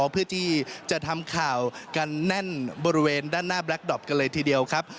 เพื่อที่จะทำข่าวกันแน่นบริเวณด้านหน้าแบล็คดอปกันเลยทีเดียวครับ